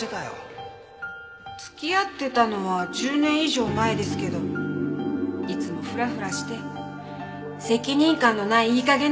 付き合ってたのは１０年以上前ですけどいつもフラフラして責任感のないいい加減な人でした。